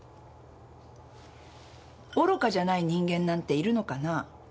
愚かじゃない人間なんているのかな？